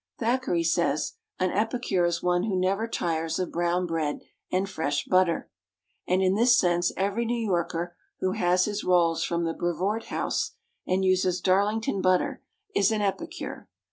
Thackeray says, an epicure is one who never tires of brown bread and fresh butter, and in this sense every New Yorker who has his rolls from the Brevoort House, and uses Darlington butter, is an epicure.